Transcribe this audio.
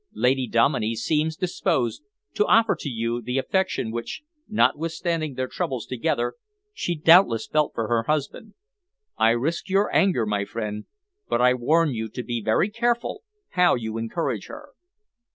Lady Dominey seems disposed to offer to you the affection which, notwithstanding their troubles together, she doubtless felt for her husband. I risk your anger, my friend, but I warn you to be very careful how you encourage her."